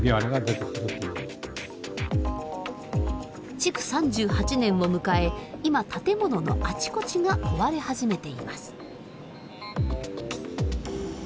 築３８年を迎え今建物のあちこちが壊れ始めています。